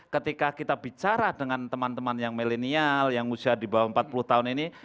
ketika kita bicara dengan teman teman yang milenial yang usia di bawah empat puluh tahun ini